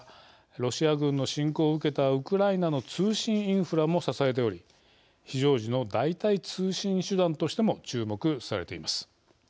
ロシア軍の侵攻を受けたウクライナの通信インフラも支えており非常時の代替通信手段としても注目されています。